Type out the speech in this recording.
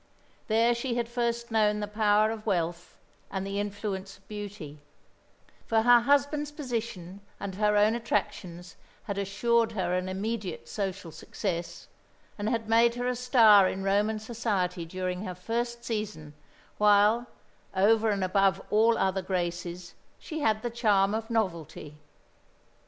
There she had first known the power of wealth and the influence of beauty; for her husband's position and her own attractions had assured her an immediate social success, and had made her a star in Roman society during her first season, while, over and above all other graces, she had the charm of novelty.